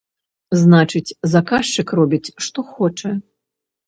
Значыць, заказчык робіць, што хоча.